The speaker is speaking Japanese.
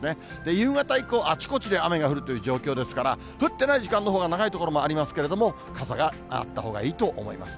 夕方以降、あちこちで雨が降るという状況ですから、降ってない時間のほうが長い所もありますけれども、傘があったほうがいいと思います。